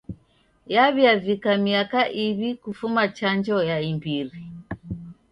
Yaw'iavika miaka iw'i kufuma chanjo ya imbiri.